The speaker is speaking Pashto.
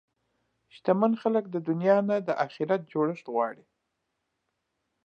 شتمن خلک د دنیا نه د اخرت جوړښت غواړي.